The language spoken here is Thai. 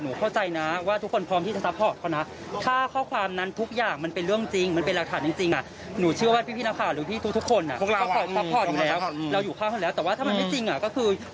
เห็นแล้วภาพเผ็ดบอกว่าเราก็พี่พี่ชาวบรรยากิจวันนี้เตรียมปล่อยหลักฐานเทศ